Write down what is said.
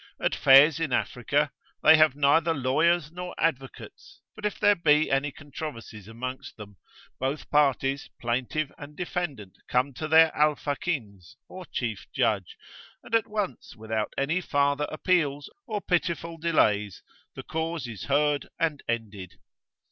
At Fez in Africa, they have neither lawyers nor advocates; but if there be any controversies amongst them, both parties plaintiff and defendant come to their Alfakins or chief judge, and at once without any farther appeals or pitiful delays, the cause is heard and ended.